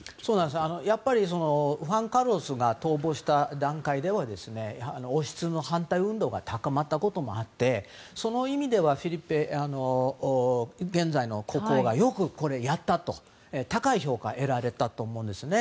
やっぱりフアン・カルロスが逃亡した段階では王室の反対運動が高まったこともあってその意味ではフェリペ現在の国王はよくやったと高い評価を得られたと思うんですね。